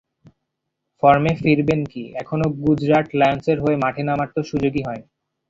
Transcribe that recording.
ফর্মে ফিরবেন কি, এখনো গুজরাট লায়নসের হয়ে মাঠে নামার তো সুযোগই হয়নি।